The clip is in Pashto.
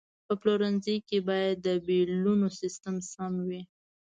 په پلورنځي کې باید د بیلونو سیستم سم وي.